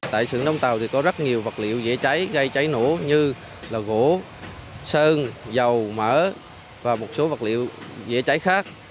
tại sự đông tàu thì có rất nhiều vật liệu dễ cháy gây cháy nổ như là gỗ sơn dầu mỡ và một số vật liệu dễ cháy khác